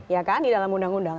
ya kan di dalam undang undang